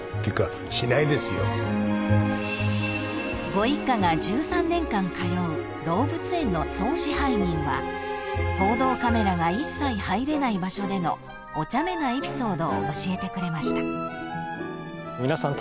［ご一家が１３年間通う動物園の総支配人は報道カメラが一切入れない場所でのおちゃめなエピソードを教えてくれました］